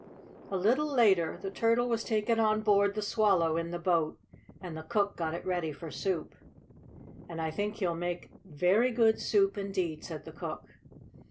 A little later the turtle was taken on board the Swallow in the boat, and the cook got it ready for soup. "And I think he'll make very good soup, indeed," said the cook.